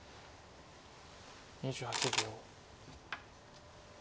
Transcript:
２８秒。